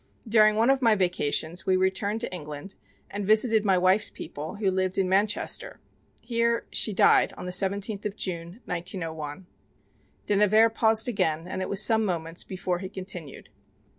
During one of my vacations we returned to England and visited my wife's people, who lived in Manchester; here she died on the 17th of June, 1901." De Nevers paused again and it was some moments before he continued.